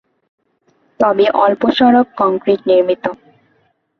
তবে অল্প সড়ক কংক্রিট-নির্মিত।